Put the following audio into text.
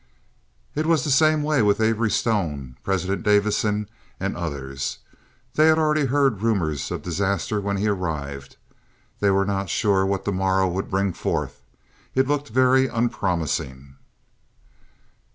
It was the same with Avery Stone, President Davison, and others. They had all already heard rumors of disaster when he arrived. They were not sure what the morrow would bring forth. It looked very unpromising.